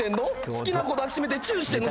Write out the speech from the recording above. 好きな子抱きしめてチューしてるの？